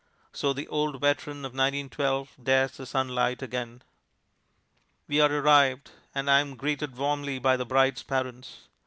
So the old veteran of 1912 dares the sunlight again. We are arrived, and I am greeted warmly by the bride's parents.